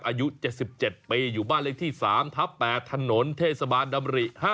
อายุ๗๗ปีอยู่บ้านเลขที่๓ทับ๘ถนนเทศบาลดำริ๕